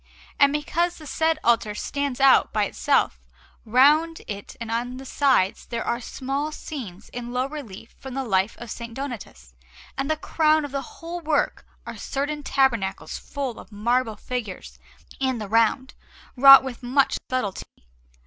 And because the said altar stands out by itself, round it and on the sides there are small scenes in low relief from the life of S. Donatus, and the crown of the whole work are certain tabernacles full of marble figures in the round, wrought with much subtlety.